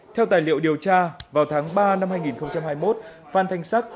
theo tài liệu điều tra vào tháng ba năm hai nghìn hai mươi một phan thanh sắc